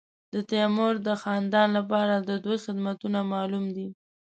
د تیمور د خاندان لپاره د دوی خدمتونه معلوم دي.